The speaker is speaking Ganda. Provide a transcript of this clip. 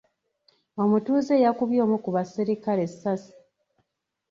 Omutuuze yakubye omu ku baserikale essaasi.